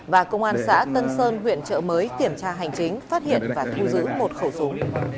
và công an xã tân sơn huyện trợ mới kiểm tra hành chính phát hiện và thu giữ một khẩu súng